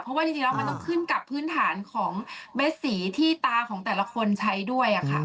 เพราะว่าจริงแล้วมันต้องขึ้นกับพื้นฐานของเม็ดสีที่ตาของแต่ละคนใช้ด้วยค่ะ